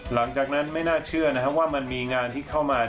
หลังจากนั้นไม่น่าเชื่อนะครับว่ามันมีงานที่เข้ามา